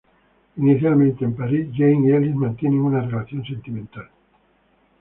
Inicialmente en París, Jane y Ellis mantienen una relación sentimental.